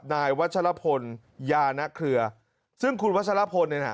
นายวัชลพลยานะเครือซึ่งคุณวัชลพลเนี่ยนะ